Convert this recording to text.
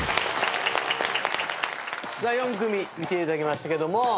さあ４組見ていただきましたけども。